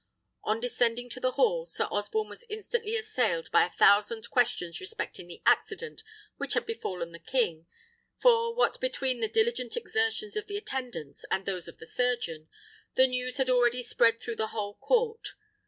On descending to the hall, Sir Osborne was instantly assailed by a thousand questions respecting the accident which had befallen the king; for, what between the diligent exertions of the attendants and those of the surgeon, the news had already spread through the whole court.